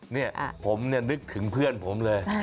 เนี่ยผมเนี่ยนึกถึงเพื่อนผมเลย